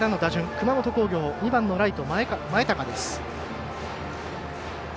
熊本工業、２番のライト前高です。